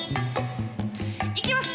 いきます。